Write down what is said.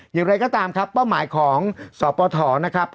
อย่างไรก็ตามครับเป้าหมายของสปฐนะครับ